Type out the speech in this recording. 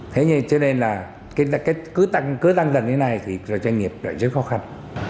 thế nên là cứ tăng dần như thế này thì doanh nghiệp rất khó khăn